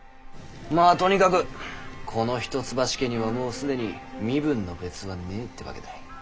まぁとにかくこの一橋家にはもう既に身分の別はねえってわけだい。